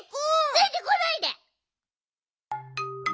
ついてこないで！